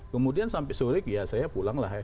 kemudian sampai sore saya pulanglah ya